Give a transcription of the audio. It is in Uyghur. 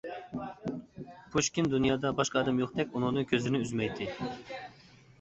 پۇشكىن دۇنيادا باشقا ئادەم يوقتەك ئۇنىڭدىن كۆزلىرىنى ئۈزمەيتتى.